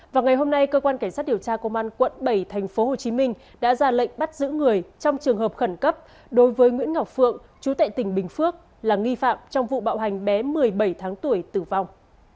vào ngày hôm nay cơ quan cảnh sát điều tra công an quận bảy tp hcm đã ra lệnh bắt giữ người trong trường hợp khẩn cấp đối với nguyễn ngọc phượng chú tệ tỉnh bình phước là nghi phạm trong vụ bạo hành bé một mươi bảy tháng tuổi tử vong